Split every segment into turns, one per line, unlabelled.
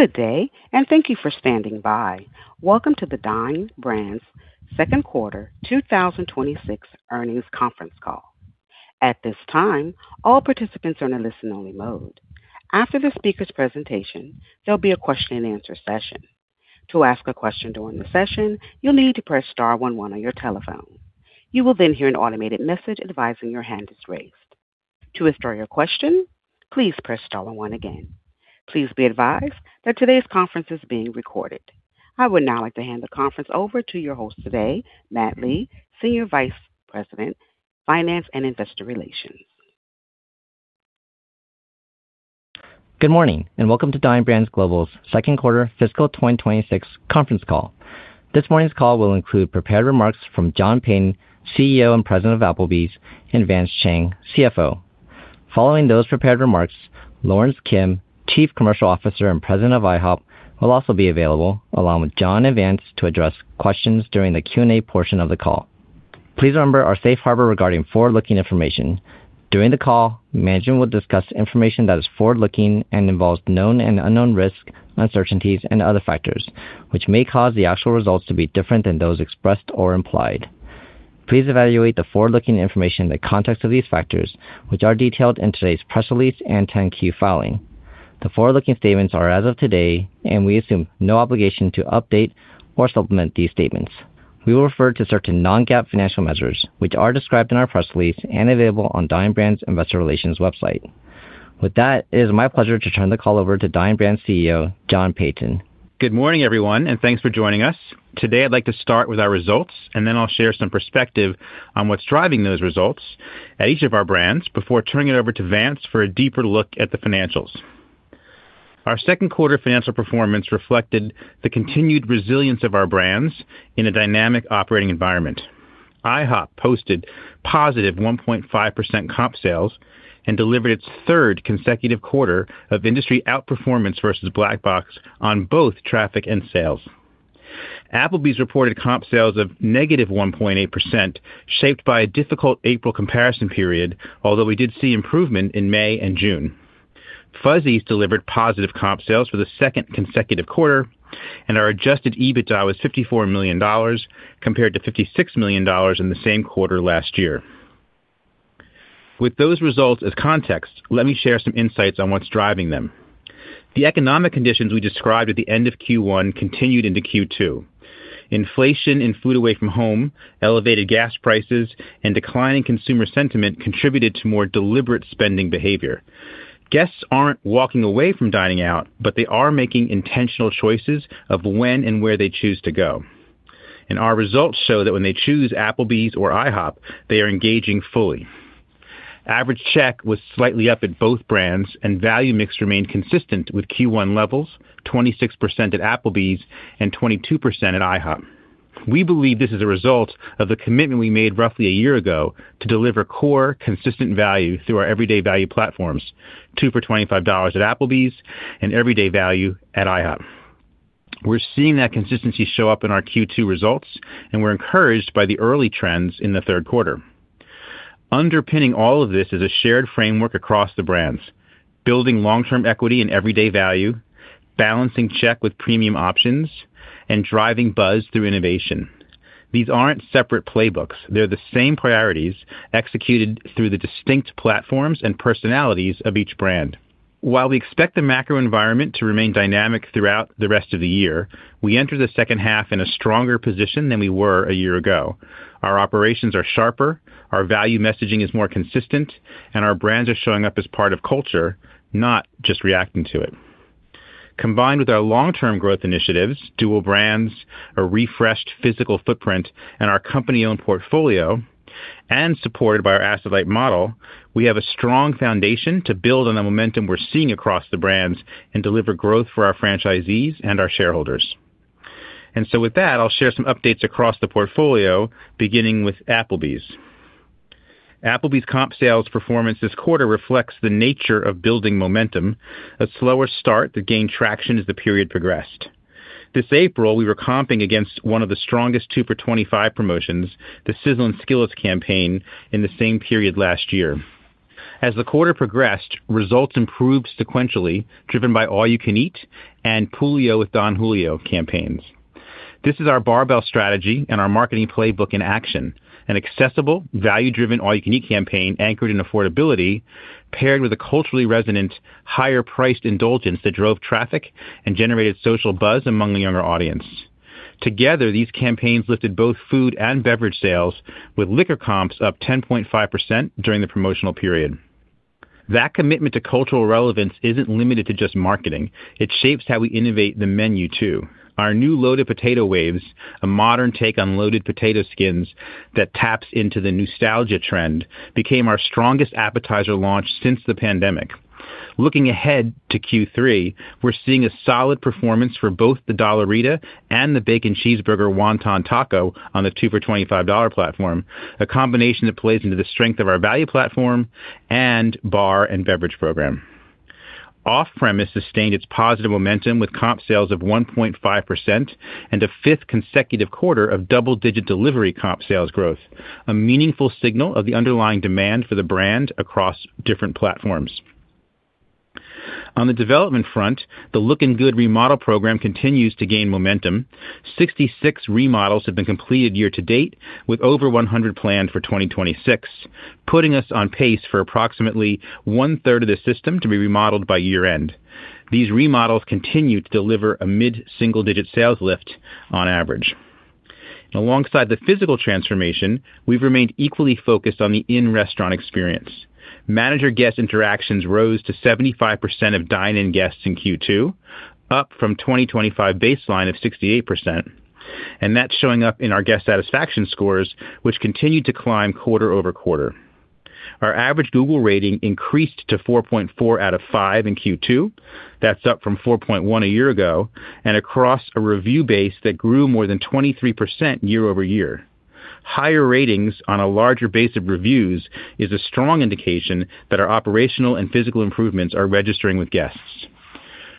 Good day. Thank you for standing by. Welcome to the Dine Brands Second Quarter 2026 Earnings Conference Call. At this time, all participants are in listen only mode. After the speaker's presentation, there'll be a question-and-answer session. To ask a question during the session, you'll need to press star one one on your telephone. You will then hear an automated message advising your hand is raised. To withdraw your question, please press star one again. Please be advised that today's conference is being recorded. I would now like to hand the conference over to your host today, Matt Lee, Senior Vice President, Finance and Investor Relations.
Good morning. Welcome to Dine Brands Global's Second Quarter Fiscal 2026 Conference Call. This morning's call will include prepared remarks from John Peyton, CEO and President of Applebee's, and Vance Chang, CFO. Following those prepared remarks, Lawrence Kim, Chief Commercial Officer and President of IHOP, will also be available, along with John and Vance, to address questions during the Q&A portion of the call. Please remember our safe harbor regarding forward-looking information. During the call, management will discuss information that is forward-looking and involves known and unknown risks, uncertainties and other factors, which may cause the actual results to be different than those expressed or implied. Please evaluate the forward-looking information in the context of these factors, which are detailed in today's press release and Form 10-Q filing. The forward-looking statements are as of today. We assume no obligation to update or supplement these statements. We will refer to certain non-GAAP financial measures, which are described in our press release and available on Dine Brands' Investor Relations website. With that, it is my pleasure to turn the call over to Dine Brands CEO, John Peyton.
Good morning, everyone. Thanks for joining us. Today, I'd like to start with our results. Then I'll share some perspective on what's driving those results at each of our brands before turning it over to Vance for a deeper look at the financials. Our second quarter financial performance reflected the continued resilience of our brands in a dynamic operating environment. IHOP posted positive 1.5% comp sales and delivered its third consecutive quarter of industry outperformance versus Black Box on both traffic and sales. Applebee's reported comp sales of -1.8%, shaped by a difficult April comparison period, although we did see improvement in May and June. Fuzzy's delivered positive comp sales for the second consecutive quarter. Our adjusted EBITDA was $54 million compared to $56 million in the same quarter last year. With those results as context, let me share some insights on what's driving them. The economic conditions we described at the end of Q1 continued into Q2. Inflation in food away from home, elevated gas prices, and declining consumer sentiment contributed to more deliberate spending behavior. Guests aren't walking away from dining out, but they are making intentional choices of when and where they choose to go. Our results show that when they choose Applebee's or IHOP, they are engaging fully. Average check was slightly up at both brands, and value mix remained consistent with Q1 levels, 26% at Applebee's and 22% at IHOP. We believe this is a result of the commitment we made roughly a year ago to deliver core consistent value through our everyday value platforms, 2 for $25 at Applebee's and everyday value at IHOP. We're seeing that consistency show up in our Q2 results, and we're encouraged by the early trends in the third quarter. Underpinning all of this is a shared framework across the brands. Building long-term equity and everyday value, balancing check with premium options, and driving buzz through innovation. These aren't separate playbooks. They're the same priorities executed through the distinct platforms and personalities of each brand. While we expect the macro environment to remain dynamic throughout the rest of the year, we enter the second half in a stronger position than we were a year ago. Our operations are sharper, our value messaging is more consistent, and our brands are showing up as part of culture, not just reacting to it. Combined with our long-term growth initiatives, dual brands, a refreshed physical footprint, and our company-owned portfolio, and supported by our asset-light model, we have a strong foundation to build on the momentum we're seeing across the brands and deliver growth for our franchisees and our shareholders. With that, I'll share some updates across the portfolio, beginning with Applebee's. Applebee's comp sales performance this quarter reflects the nature of building momentum, a slower start that gained traction as the period progressed. This April, we were comping against one of the strongest 2 for $25 promotions, the Sizzlin' Skillets campaign, in the same period last year. As the quarter progressed, results improved sequentially, driven by All You Can Eat and Poolio with Don Julio campaigns. This is our barbell strategy and our marketing playbook in action. An accessible, value-driven, All You Can Eat campaign anchored in affordability, paired with a culturally resonant, higher priced indulgence that drove traffic and generated social buzz among the younger audience. Together, these campaigns lifted both food and beverage sales, with liquor comps up 10.5% during the promotional period. That commitment to cultural relevance isn't limited to just marketing. It shapes how we innovate the menu, too. Our new Loaded Potato Waves, a modern take on loaded potato skins that taps into the nostalgia trend, became our strongest appetizer launch since the pandemic. Looking ahead to Q3, we're seeing a solid performance for both the DOLLARITA and the Bacon Cheeseburger Wonton Taco on the 2 for $25 platform, a combination that plays into the strength of our value platform and bar and beverage program. Off-premise sustained its positive momentum with comp sales of 1.5% and a fifth consecutive quarter of double-digit delivery comp sales growth, a meaningful signal of the underlying demand for the brand across different platforms. On the development front, the Lookin' Good remodel program continues to gain momentum. 66 remodels have been completed year to date, with over 100 planned for 2026, putting us on pace for approximately 1/3 of the system to be remodeled by year-end. These remodels continue to deliver a mid-single-digit sales lift on average. Alongside the physical transformation, we've remained equally focused on the in-restaurant experience. Manager guest interactions rose to 75% of dine-in guests in Q2, up from 2025 baseline of 68%. That's showing up in our guest satisfaction scores, which continue to climb quarter-over-quarter. Our average Google rating increased to 4.4 out of five in Q2. That's up from 4.1 a year ago, across a review base that grew more than 23% year-over-year. Higher ratings on a larger base of reviews is a strong indication that our operational and physical improvements are registering with guests.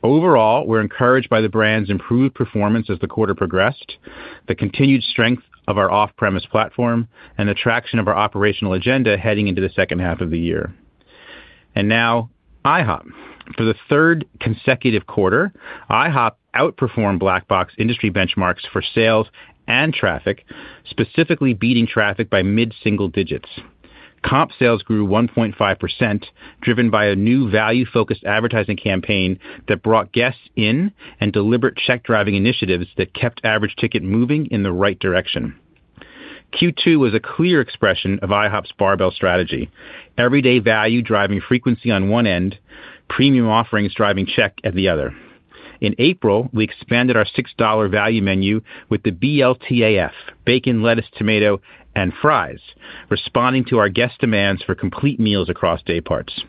Overall, we're encouraged by the brand's improved performance as the quarter progressed, the continued strength of our off-premise platform, and the traction of our operational agenda heading into the second half of the year. Now IHOP. For the third consecutive quarter, IHOP outperformed Black Box industry benchmarks for sales and traffic, specifically beating traffic by mid-single digits. Comp sales grew 1.5%, driven by a new value-focused advertising campaign that brought guests in and deliberate check driving initiatives that kept average ticket moving in the right direction. Q2 was a clear expression of IHOP's barbell strategy. Everyday value driving frequency on one end, premium offerings driving check at the other. In April, we expanded our $6 value menu with the BLTAF, bacon, lettuce, tomato, and fries, responding to our guest demands for complete meals across day parts.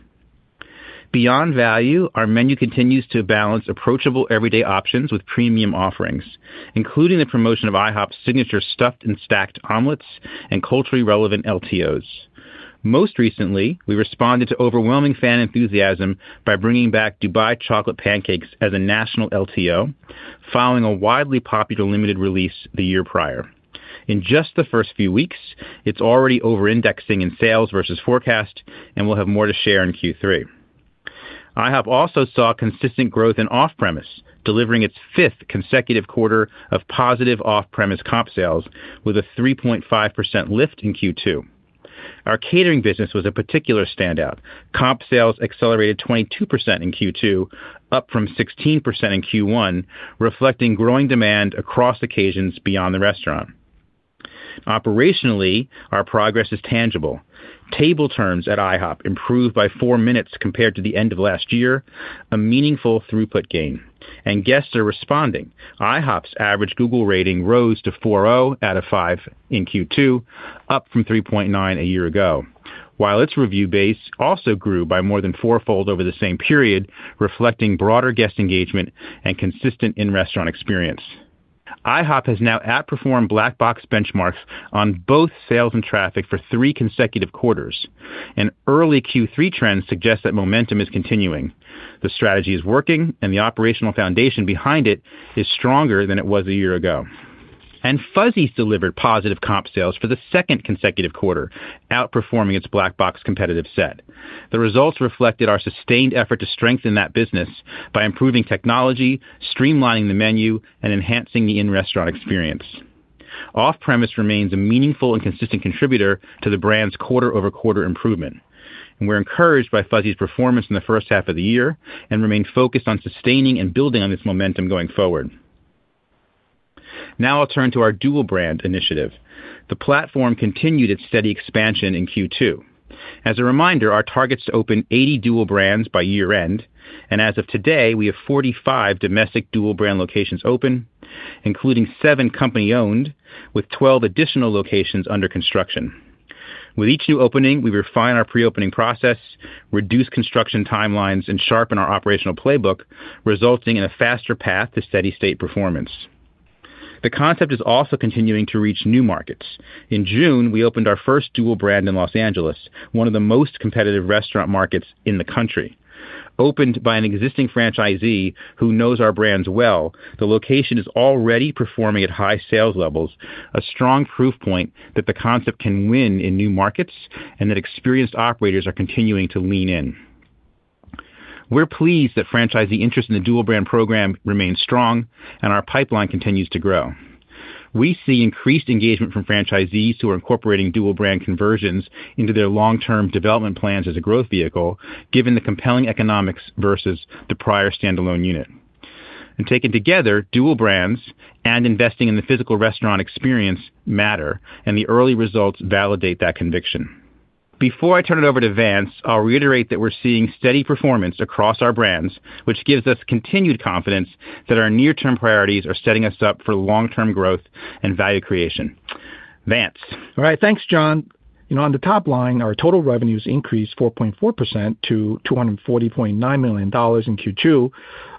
Beyond value, our menu continues to balance approachable everyday options with premium offerings, including the promotion of IHOP's signature Stuffed and Stacked Omelets and culturally relevant LTOs. Most recently, we responded to overwhelming fan enthusiasm by bringing back Dubai Chocolate Pancakes as a national LTO, following a widely popular limited release the year prior. In just the first few weeks, it's already over-indexing in sales versus forecast, we'll have more to share in Q3. IHOP also saw consistent growth in off-premise, delivering its fifth consecutive quarter of positive off-premise comp sales with a 3.5% lift in Q2. Our catering business was a particular standout. Comp sales accelerated 22% in Q2, up from 16% in Q1, reflecting growing demand across occasions beyond the restaurant. Operationally, our progress is tangible. Table turns at IHOP improved by four minutes compared to the end of last year, a meaningful throughput gain. Guests are responding. IHOP's average Google rating rose to 4.0 out of five in Q2, up from 3.9 a year ago. While its review base also grew by more than fourfold over the same period, reflecting broader guest engagement and consistent in-restaurant experience. IHOP has now outperformed Black Box benchmarks on both sales and traffic for three consecutive quarters. Early Q3 trends suggest that momentum is continuing. The strategy is working, the operational foundation behind it is stronger than it was a year ago. Fuzzy's delivered positive comp sales for the second consecutive quarter, outperforming its Black Box competitive set. The results reflected our sustained effort to strengthen that business by improving technology, streamlining the menu, and enhancing the in-restaurant experience. Off-premise remains a meaningful and consistent contributor to the brand's quarter-over-quarter improvement. We're encouraged by Fuzzy's performance in the first half of the year and remain focused on sustaining and building on this momentum going forward. I'll turn to our dual brand initiative. The platform continued its steady expansion in Q2. A reminder, our target is to open 80 dual brands by year-end. As of today, we have 45 domestic dual brand locations open, including seven company-owned, with 12 additional locations under construction. Each new opening, we refine our pre-opening process, reduce construction timelines, and sharpen our operational playbook, resulting in a faster path to steady state performance. The concept is also continuing to reach new markets. In June, we opened our first dual brand in Los Angeles, one of the most competitive restaurant markets in the country. Opened by an existing franchisee who knows our brands well, the location is already performing at high sales levels, a strong proof point that the concept can win in new markets and that experienced operators are continuing to lean in. We're pleased that franchisee interest in the dual brand program remains strong and our pipeline continues to grow. We see increased engagement from franchisees who are incorporating dual brand conversions into their long-term development plans as a growth vehicle, given the compelling economics versus the prior standalone unit. Taken together, dual brands and investing in the physical restaurant experience matter, and the early results validate that conviction. Before I turn it over to Vance, I'll reiterate that we're seeing steady performance across our brands, which gives us continued confidence that our near-term priorities are setting us up for long-term growth and value creation. Vance.
All right. Thanks, John. On the top line, our total revenues increased 4.4% to $240.9 million in Q2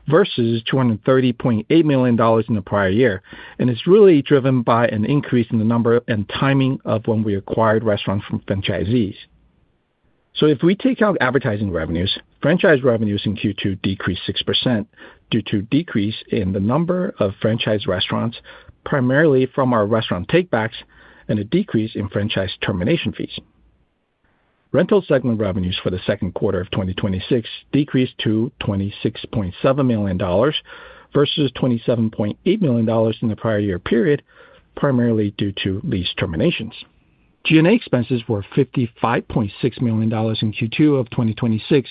versus $230.8 million in the prior year. It's really driven by an increase in the number and timing of when we acquired restaurants from franchisees. If we take out advertising revenues, franchise revenues in Q2 decreased 6% due to decrease in the number of franchise restaurants, primarily from our restaurant take backs, and a decrease in franchise termination fees. Rental segment revenues for the second quarter of 2026 decreased to $26.7 million versus $27.8 million in the prior year period, primarily due to lease terminations. G&A expenses were $55.6 million in Q2 of 2026,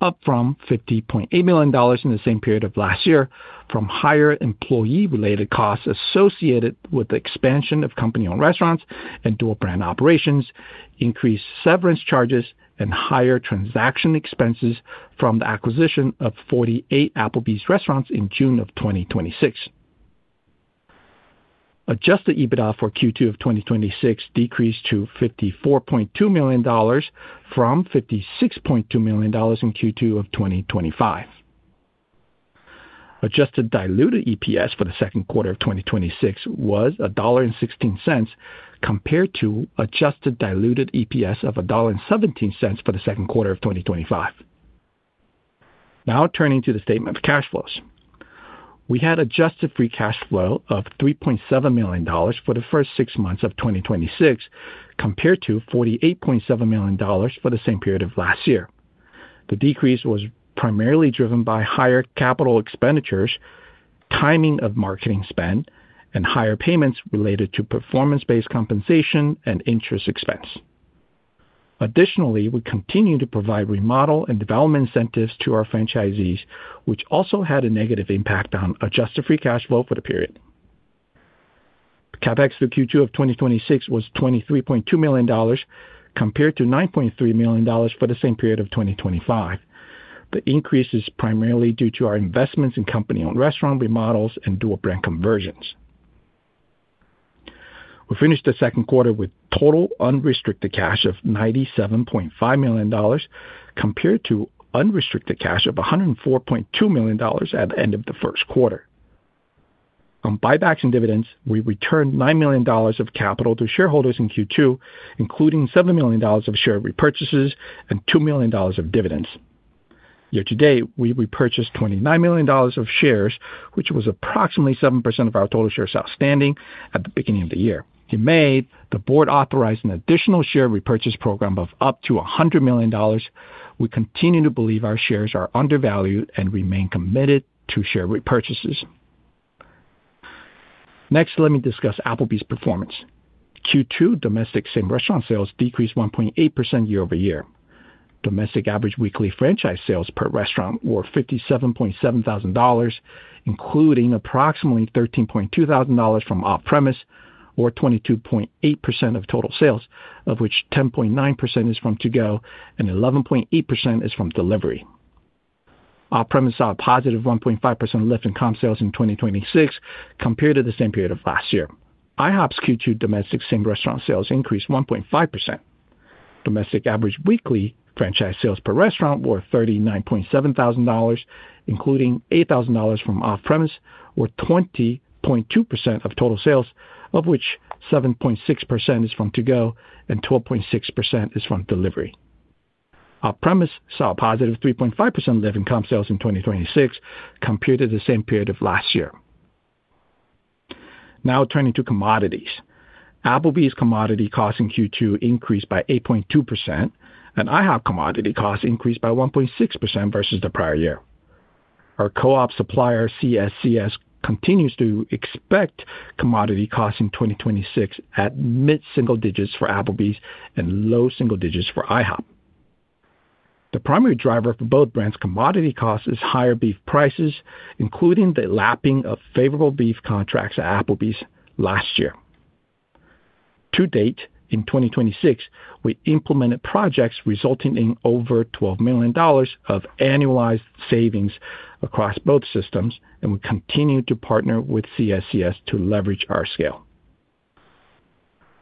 up from $50.8 million in the same period of last year from higher employee-related costs associated with the expansion of company-owned restaurants and dual-brand operations, increased severance charges, and higher transaction expenses from the acquisition of 48 Applebee's restaurants in June of 2026. Adjusted EBITDA for Q2 of 2026 decreased to $54.2 million from $56.2 million in Q2 of 2025. Adjusted diluted EPS for the second quarter of 2026 was $1.16, compared to adjusted diluted EPS of $1.17 for the second quarter of 2025. Turning to the statement of cash flows. We had adjusted free cash flow of $3.7 million for the first six months of 2026, compared to $48.7 million for the same period of last year. The decrease was primarily driven by higher capital expenditures, timing of marketing spend, and higher payments related to performance-based compensation and interest expense. Additionally, we continue to provide remodel and development incentives to our franchisees, which also had a negative impact on adjusted free cash flow for the period. CapEx for Q2 of 2026 was $23.2 million, compared to $9.3 million for the same period of 2025. The increase is primarily due to our investments in company-owned restaurant remodels and dual-brand conversions. We finished the second quarter with total unrestricted cash of $97.5 million, compared to unrestricted cash of $104.2 million at the end of the first quarter. On buybacks and dividends, we returned $9 million of capital to shareholders in Q2, including $7 million of share repurchases and $2 million of dividends. Year to date, we repurchased $29 million of shares, which was approximately 7% of our total shares outstanding at the beginning of the year. In May, the board authorized an additional share repurchase program of up to $100 million. We continue to believe our shares are undervalued and remain committed to share repurchases. Next, let me discuss Applebee's performance. Q2 domestic same-restaurant sales decreased 1.8% year-over-year. Domestic average weekly franchise sales per restaurant were $57,700, including approximately $13,200 from off-premise, or 22.8% of total sales, of which 10.9% is from to-go and 11.8% is from delivery. Off-premise saw a positive 1.5% lift in comp sales in 2026 compared to the same period of last year. IHOP's Q2 domestic same-restaurant sales increased 1.5%. Domestic average weekly franchise sales per restaurant were $39,700, including $8,000 from off-premise, or 20.2% of total sales, of which 7.6% is from to-go and 12.6% is from delivery. Off-premise saw a positive 3.5% lift in comp sales in 2026 compared to the same period of last year. Now turning to commodities. Applebee's commodity costs in Q2 increased by 8.2%, and IHOP commodity costs increased by 1.6% versus the prior year. Our co-op supplier, CSCS, continues to expect commodity costs in 2026 at mid-single digits for Applebee's and low double digits for IHOP. The primary driver for both brands' commodity costs is higher beef prices, including the lapping of favorable beef contracts at Applebee's last year. To date, in 2026, we implemented projects resulting in over $12 million of annualized savings across both systems, and we continue to partner with CSCS to leverage our scale.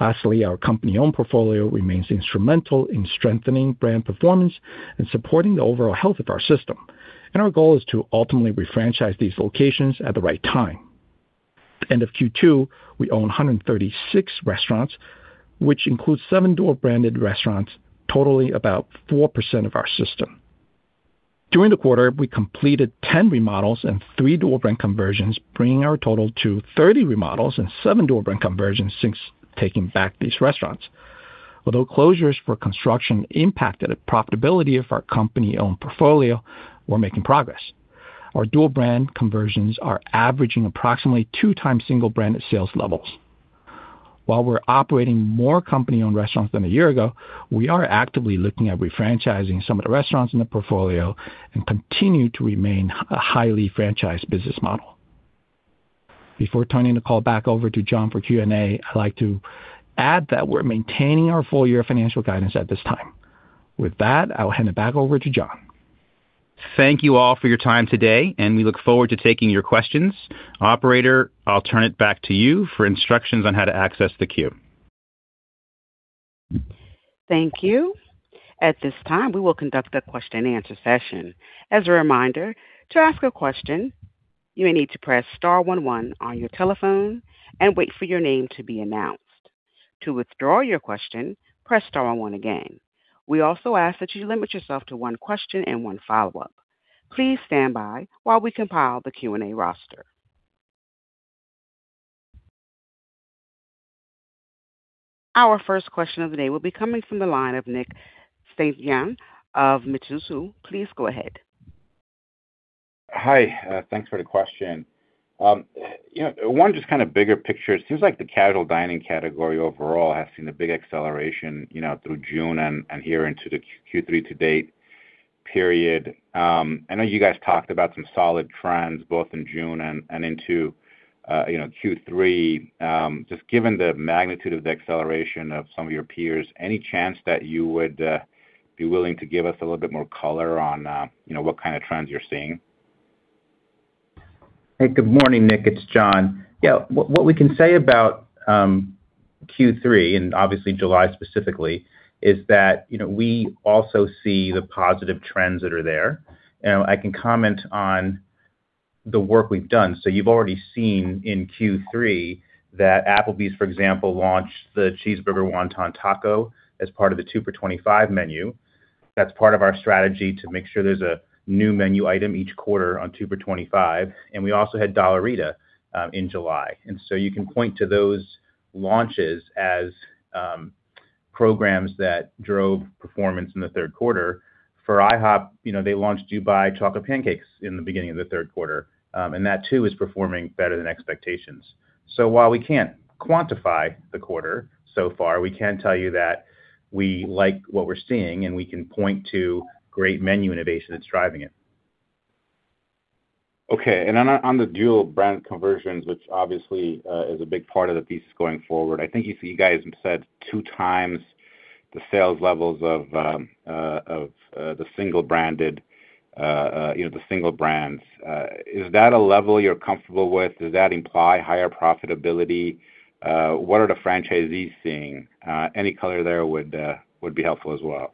Lastly, our company-owned portfolio remains instrumental in strengthening brand performance and supporting the overall health of our system. Our goal is to ultimately refranchise these locations at the right time. End of Q2, we own 136 restaurants, which includes seven dual-branded restaurants, totaling about 4% of our system. During the quarter, we completed 10 remodels and three dual-brand conversions, bringing our total to 30 remodels and seven dual-brand conversions since taking back these restaurants. Although closures for construction impacted the profitability of our company-owned portfolio, we're making progress. Our dual-brand conversions are averaging approximately two times single-brand sales levels. While we're operating more company-owned restaurants than a year ago, we are actively looking at refranchising some of the restaurants in the portfolio and continue to remain a highly franchised business model. Before turning the call back over to John for Q&A, I'd like to add that we're maintaining our full-year financial guidance at this time. With that, I will hand it back over to John.
Thank you all for your time today. We look forward to taking your questions. Operator, I'll turn it back to you for instructions on how to access the queue.
Thank you. At this time, we will conduct a question-and-answer session. Our first question of the day will be coming from the line of Nick Setyan of Mizuho. Please go ahead.
Hi, thanks. Bigger picture, it seems like the casual dining category overall has seen a big acceleration through June and here into the Q3 to date period. I know you guys talked about some solid trends both in June and into Q3. Given the magnitude of the acceleration of some of your peers, any chance that you would be willing to give us a little bit more color on what kind of trends you're seeing?
Hey, good morning, Nick. It's John. What we can say about Q3, and obviously July specifically, is that we also see the positive trends that are there. I can comment on the work we've done. You've already seen in Q3 that Applebee's, for example, launched the Cheeseburger Wonton Taco as part of the 2 for $25 menu. That's part of our strategy to make sure there's a new menu item each quarter on 2 for $25. We also had DOLLARITA in July, you can point to those launches as programs that drove performance in the third quarter. For IHOP, they launched Dubai Chocolate Pancakes in the beginning of the third quarter. That too is performing better than expectations. While we can't quantify the quarter so far, we can tell you that we like what we're seeing, and we can point to great menu innovation that's driving it.
Okay. On the dual brand conversions, which obviously is a big part of the thesis going forward, I think you guys said 2x the sales levels of the single brands. Is that a level you're comfortable with? Does that imply higher profitability? What are the franchisees seeing? Any color there would be helpful as well.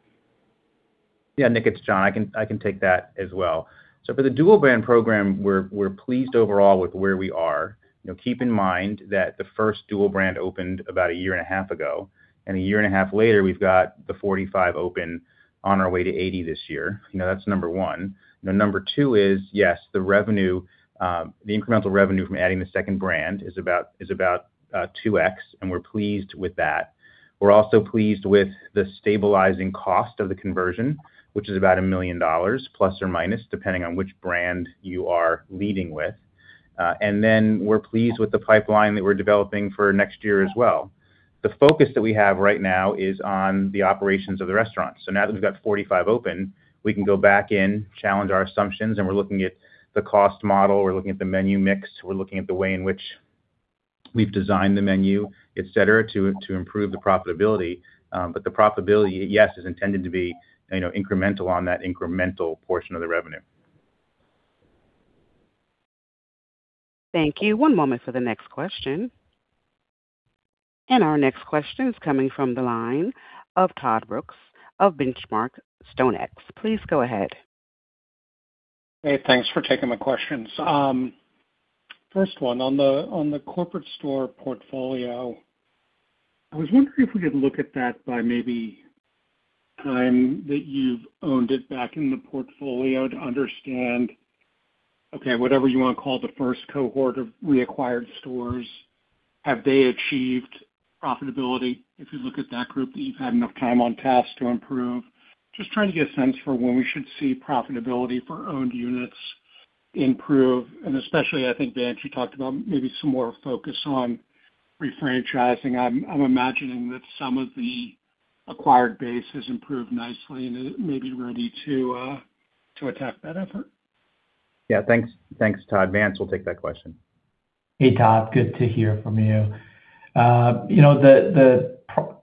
Nick, it's John. I can take that as well. For the dual brand program, we're pleased overall with where we are. Keep in mind that the first dual brand opened about a year and a half ago, and a year and a half later, we've got the 45 open, on our way to 80 this year. That's number one. Number two is, yes, the incremental revenue from adding the second brand is about 2x, and we're pleased with that. We're also pleased with the stabilizing cost of the conversion, which is about $1 million±, depending on which brand you are leading with. We're pleased with the pipeline that we're developing for next year as well. The focus that we have right now is on the operations of the restaurant. Now that we've got 45 open, we can go back in, challenge our assumptions, we're looking at the cost model, we're looking at the menu mix, we're looking at the way in which we've designed the menu, et cetera, to improve the profitability. The profitability, yes, is intended to be incremental on that incremental portion of the revenue.
Our next question is coming from the line of Todd Brooks of The Benchmark Company. Please go ahead.
Hey, thanks for taking my questions. First one, on the corporate store portfolio, I was wondering if we could look at that by maybe time that you've owned it back in the portfolio to understand, okay, whatever you want to call the first cohort of reacquired stores, have they achieved profitability? If you look at that group that you've had enough time on task to improve, just trying to get a sense for when we should see profitability for owned units improve. Especially, I think, Vance, you talked about maybe some more focus on refranchising. I'm imagining that some of the acquired base has improved nicely and it may be ready to attack that effort.
Yeah. Thanks, Todd. Vance will take that question.
Hey, Todd. Good to hear from you. The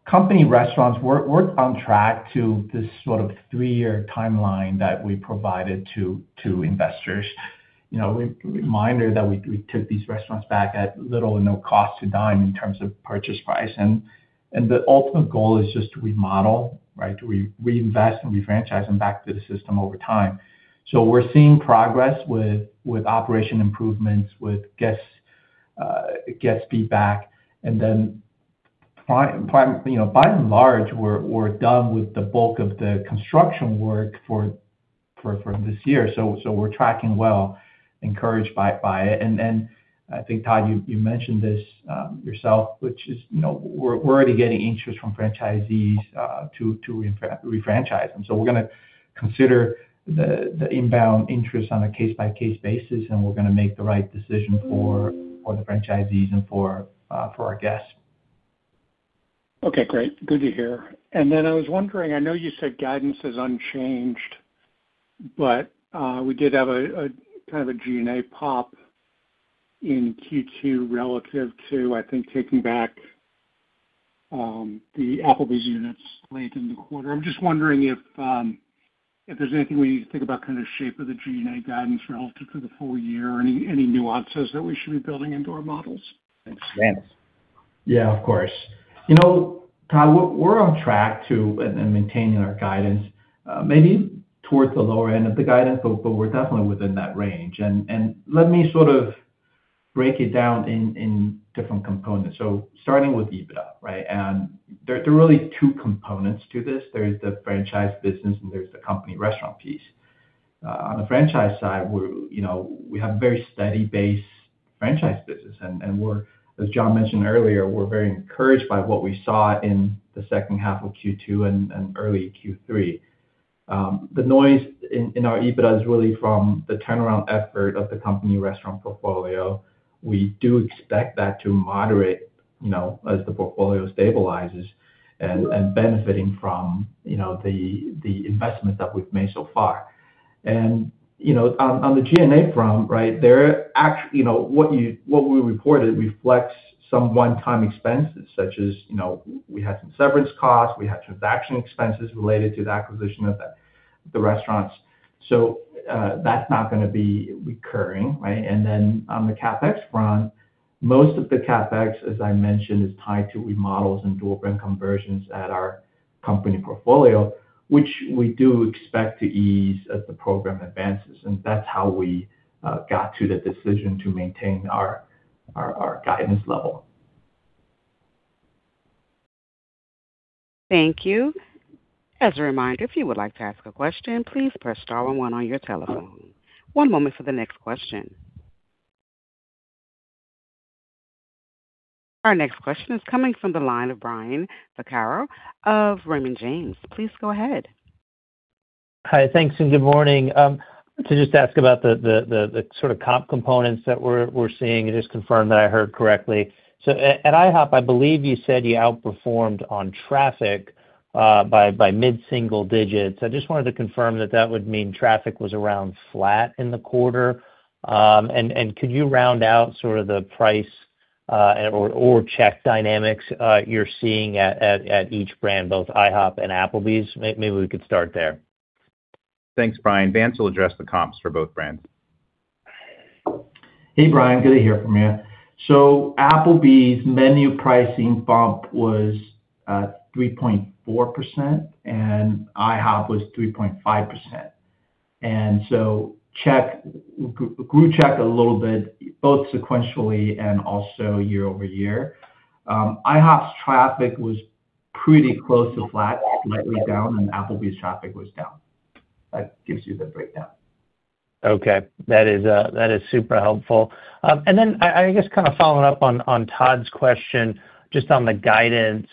company restaurants, we're on track to this sort of three-year timeline that we provided to investors. A reminder that we took these restaurants back at little or no cost to Dine in terms of purchase price. The ultimate goal is just to remodel, right? To reinvest and refranchise them back to the system over time. We're seeing progress with operation improvements, with guest feedback, and then by and large, we're done with the bulk of the construction work for this year. We're tracking well, encouraged by it. I think, Todd, you mentioned this yourself, which is we're already getting interest from franchisees to refranchise them. We're going to consider the inbound interest on a case-by-case basis, and we're going to make the right decision for the franchisees and for our guests.
Okay, great. Good to hear. I was wondering, I know you said guidance is unchanged, but we did have a kind of a G&A pop in Q2 relative to, I think, taking back the Applebee's units late in the quarter. I'm just wondering if there's anything we need to think about kind of the shape of the G&A guidance relative to the full year. Any nuances that we should be building into our models? Thanks.
Vance.
Yeah, of course. Todd, we're on track to maintaining our guidance, maybe towards the lower end of the guidance, but we're definitely within that range. Let me sort of break it down in different components. Starting with EBITDA, right? There are really two components to this. There's the franchise business, and there's the company restaurant piece. On the franchise side, we have a very steady base franchise business. As John mentioned earlier, we're very encouraged by what we saw in the second half of Q2 and early Q3. The noise in our EBITDA is really from the turnaround effort of the company restaurant portfolio. We do expect that to moderate as the portfolio stabilizes and benefiting from the investments that we've made so far. On the G&A front, what we reported reflects some one-time expenses, such as, we had some severance costs, we had transaction expenses related to the acquisition of the restaurants. That's not going to be recurring. On the CapEx front, most of the CapEx, as I mentioned, is tied to remodels and dual-brand conversions at our company portfolio, which we do expect to ease as the program advances. That's how we got to the decision to maintain our guidance level.
Our next question is coming from the line of Brian Vaccaro of Raymond James. Please go ahead.
Hi, thanks, and good morning. To just ask about the sort of comp components that we're seeing, and just confirm that I heard correctly. At IHOP, I believe you said you outperformed on traffic by mid-single digits. I just wanted to confirm that that would mean traffic was around flat in the quarter. Could you round out sort of the price or check dynamics you're seeing at each brand, both IHOP and Applebee's? Maybe we could start there.
Thanks, Brian. Vance will address the comps for both brands.
Hey, Brian. Good to hear from you. Applebee's menu pricing bump was 3.4%, and IHOP was 3.5%. Grew check a little bit, both sequentially and also year-over-year. IHOP's traffic was pretty close to flat, slightly down, and Applebee's traffic was down. That gives you the breakdown.
Okay. That is super helpful. I guess kind of following up on Todd's question, just on the guidance.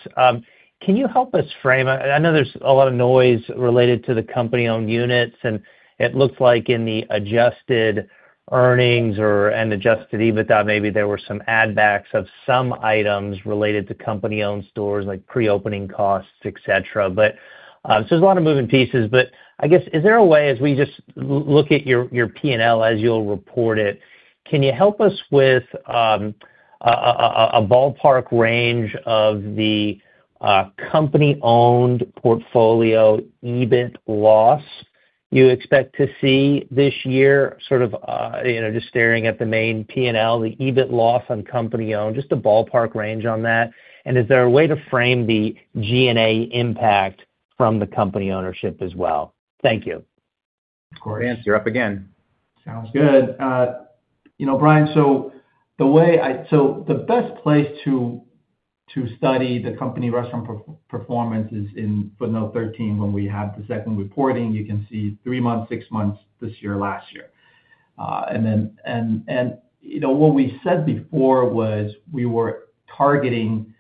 Can you help us frame, I know there's a lot of noise related to the company-owned units, and it looks like in the adjusted earnings or an adjusted EBITDA, maybe there were some add backs of some items related to company-owned stores, like pre-opening costs, et cetera. There's a lot of moving pieces, but I guess, is there a way, as we just look at your P&L as you'll report it, can you help us with a ballpark range of the company-owned portfolio EBIT loss you expect to see this year, sort of just staring at the main P&L, the EBIT loss on company-owned, just a ballpark range on that. Is there a way to frame the G&A impact from the company ownership as well? Thank you.
Vance, you're up again.
Sounds good. Brian, the best place to study the company restaurant performance is in footnote 13, when we have the second reporting, you can see three months, six months, this year, last year. What we said before was we were targeting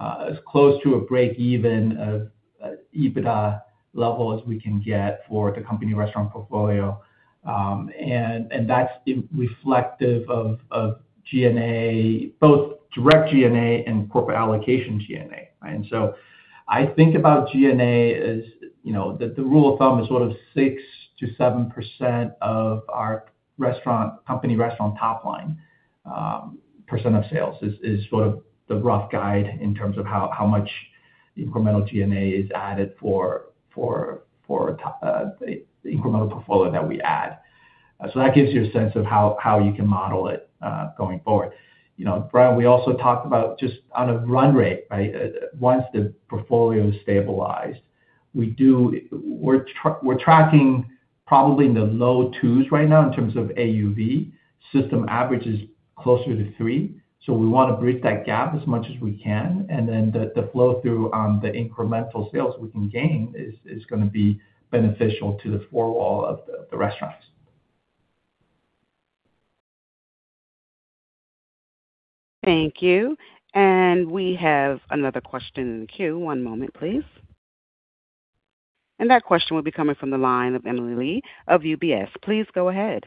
as close to a break-even of EBITDA level as we can get for the company restaurant portfolio. That's reflective of G&A, both direct G&A and corporate allocation G&A. I think about G&A as the rule of thumb is sort of 6%-7% of our company restaurant top line, percent of sales, is sort of the rough guide in terms of how much incremental G&A is added for the incremental portfolio that we add. That gives you a sense of how you can model it, going forward. Brian, we also talked about just on a run rate, once the portfolio is stabilized. We're tracking probably in the low twos right now in terms of AUV. System average is closer to three. We want to bridge that gap as much as we can, and then the flow through on the incremental sales we can gain is going to be beneficial to the four-wall of the restaurants.
Thank you. We have another question in the queue. One moment, please. That question will be coming from the line of Emily Li of UBS. Please go ahead.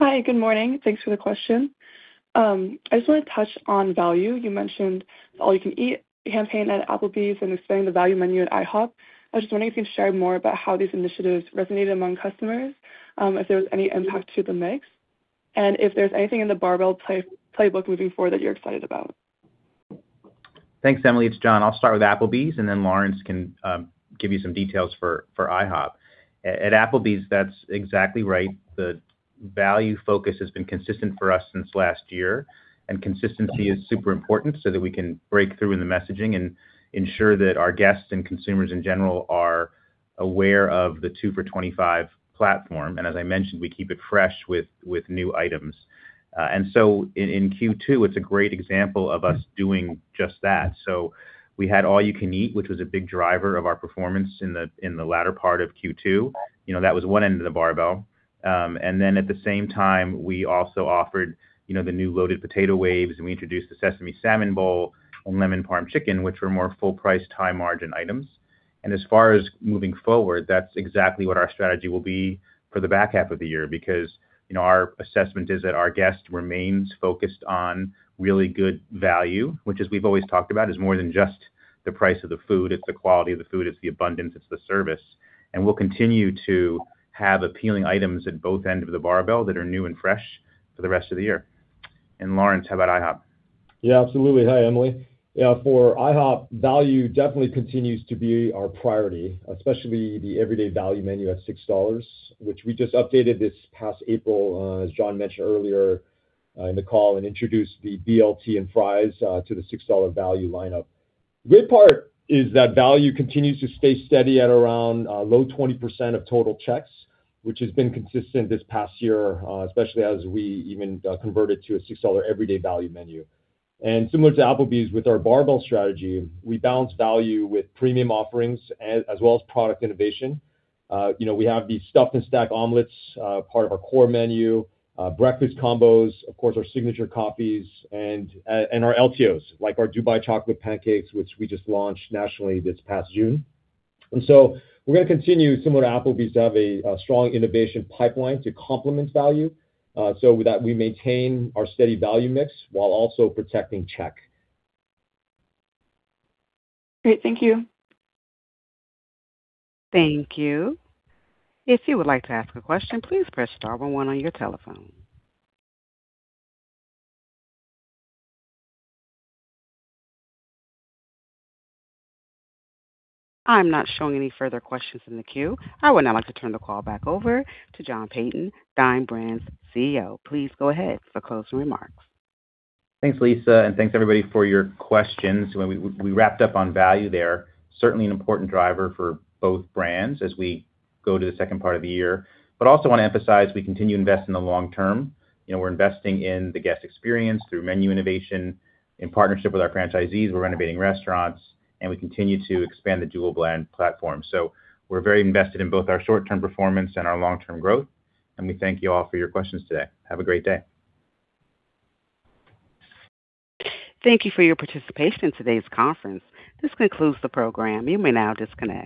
Hi, good morning. Thanks for the question. I just want to touch on value. You mentioned the All You Can Eat campaign at Applebee's and expanding the value menu at IHOP. I was just wondering if you can share more about how these initiatives resonated among customers, if there was any impact to the mix, and if there's anything in the barbell playbook moving forward that you're excited about?
Thanks, Emily. It's John. I'll start with Applebee's, then Lawrence can give you some details for IHOP. At Applebee's, that's exactly right. The value focus has been consistent for us since last year. Consistency is super important so that we can break through in the messaging and ensure that our guests and consumers in general are aware of the 2 for $25 platform. As I mentioned, we keep it fresh with new items. In Q2, it's a great example of us doing just that. We had All You Can Eat, which was a big driver of our performance in the latter part of Q2. That was one end of the barbell. At the same time, we also offered the new Loaded Potato Waves, and we introduced the Sesame Salmon Bowl and Lemon Parmesan Chicken, which were more full-price, high-margin items. As far as moving forward, that's exactly what our strategy will be for the back half of the year because our assessment is that our guest remains focused on really good value, which, as we've always talked about, is more than just the price of the food. It's the quality of the food, it's the abundance, it's the service. We'll continue to have appealing items at both ends of the barbell that are new and fresh for the rest of the year. Lawrence, how about IHOP?
Absolutely. Hi, Emily. For IHOP, value definitely continues to be our priority, especially the everyday value menu at $6, which we just updated this past April, as John mentioned earlier in the call, introduced the BLT and Fries to the $6 value lineup. The great part is that value continues to stay steady at around low 20% of total checks, which has been consistent this past year, especially as we even converted to a $6 everyday value menu. Similar to Applebee's, with our barbell strategy, we balance value with premium offerings as well as product innovation. We have the Stuffed and Stacked Omelets, part of our core menu, breakfast combos, of course, our signature coffees and our LTOs, like our Dubai Chocolate Pancakes, which we just launched nationally this past June. We're going to continue, similar to Applebee's, to have a strong innovation pipeline to complement value so that we maintain our steady value mix while also protecting check.
Great. Thank you.
Thank you. I'm not showing any further questions in the queue. I would now like to turn the call back over to John Peyton, Dine Brands CEO. Please go ahead for closing remarks.
Thanks, Lisa, and thanks everybody for your questions. We wrapped up on value there. Certainly an important driver for both brands as we go to the second part of the year. Also want to emphasize we continue to invest in the long term. We're investing in the guest experience through menu innovation in partnership with our franchisees. We're renovating restaurants, and we continue to expand the dual-brand platform. We're very invested in both our short-term performance and our long-term growth, and we thank you all for your questions today. Have a great day.
Thank you for your participation in today's conference. This concludes the program. You may now disconnect.